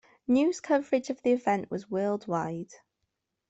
News coverage of the event was worldwide.